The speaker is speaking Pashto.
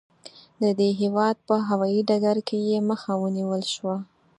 د دې هېواد په هوايي ډګر کې یې مخه ونیول شوه.